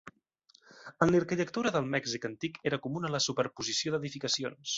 En l'arquitectura del Mèxic antic era comuna la superposició d'edificacions.